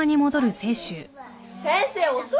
先生遅いよ。